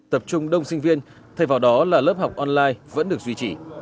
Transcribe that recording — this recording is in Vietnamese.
tập trung đông sinh viên thay vào đó là lớp học online vẫn được duy trì